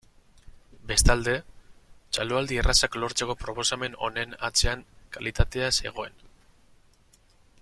Bestalde, txaloaldi errazak lortzeko proposamen honen atzean kalitatea zegoen.